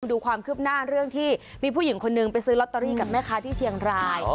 ดูความคืบหน้าเรื่องที่มีผู้หญิงคนนึงไปซื้อลอตเตอรี่กับแม่ค้าที่เชียงราย